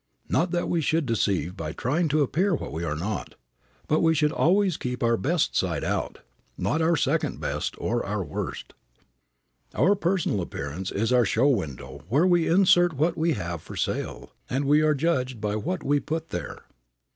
Not that we should deceive by trying to appear what we are not, but we should always keep our best side out, not our second best or our worst. Our personal appearance is our show window where we insert what we have for sale, and we are judged by what we put there.